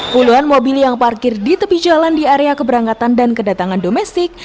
puluhan mobil yang parkir di tepi jalan di area keberangkatan dan kedatangan domestik